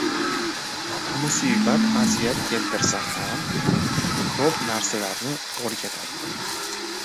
• Musibat aziyat keltirsa ham, ko‘p narsalarni o‘rgatadi.